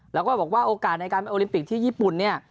แล้วก็บอกว่าโอกาสในการไปโอลิมปิกที่ญี่ปุ่นเนี่ย